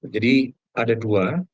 jadi ada dua